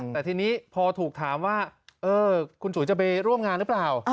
แต่ทีนี้พอถูกถามว่าคุณจุ๋ยจะไปร่วมงานหรือเปล่า